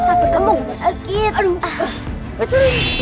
sampai sampai sampai